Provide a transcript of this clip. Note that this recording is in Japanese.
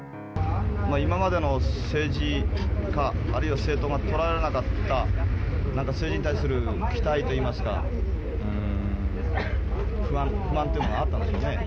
今までの政治家、あるいは政党が捉えられなかった、なんか政治に対する期待といいますか、不満というのがあったんでしょうね。